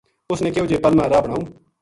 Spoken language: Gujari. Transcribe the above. اس نے کہیو جے پل ما راہ بناؤں